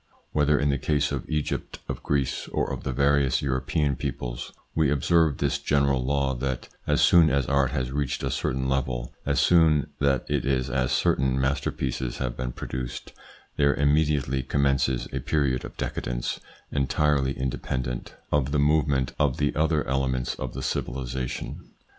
Whether in the case of Egypt, of Greece, or of the various European peoples, we observe this general law that as soon as art has reached a certain level, as soon that is as certain masterpieces have been produced, there immediately commences a period of decadence entirely independent 72 THE PSYCHOLOGY OF PEOPLES : of the movement of the other elements of the civilisation.